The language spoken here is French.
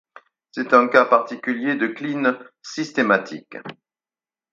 C'est un cas particulier de cline systématique.